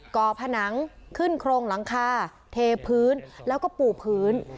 ่อผนังขึ้นโครงหลังคาเทพื้นแล้วก็ปูพื้น